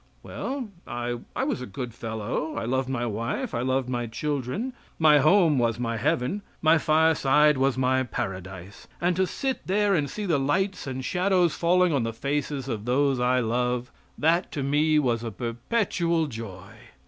"Well, I was a good fellow; I loved my wife, I loved my children. My home was my heaven; my fire side was my paradise, and to sit there and see the lights and shadows falling on the faces of those I love, that to me was a perpetual joy.